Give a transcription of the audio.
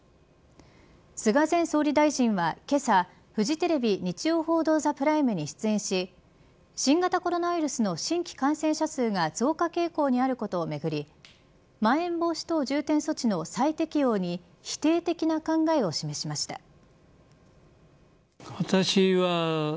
菅前総理大臣は、けさフジテレビ日曜報道ＴＨＥＰＲＩＭＥに出演し新型コロナウイルスの新規感染者数が増加傾向にあることをめぐりまん延防止等重点措置の再適用に否定的な考えを示しました。